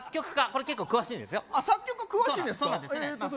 これ結構詳しいんですよあっ作曲詳しいんですか？